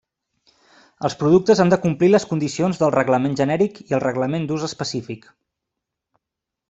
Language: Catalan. Els productes han de complir les condicions del Reglament genèric i el Reglament d'ús específic.